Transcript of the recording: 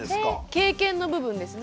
経験の部分ですね。